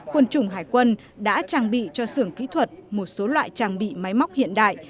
quân chủng hải quân đã trang bị cho xưởng kỹ thuật một số loại trang bị máy móc hiện đại